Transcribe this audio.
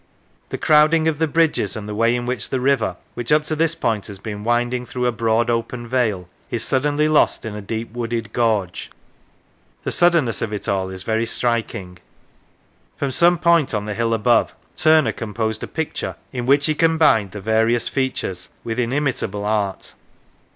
The crowding of the bridges, and the way in which the river, which up to this point has been winding through a broad open vale, is suddenly lost in a deep wooded gorge the sudden ness of it all is very striking. From some point on the hill above, Turner composed a picture in which he combined the various features with inimitable art.